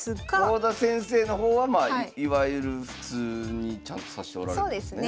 郷田先生の方はまあいわゆる普通にちゃんと指しておられるんですね？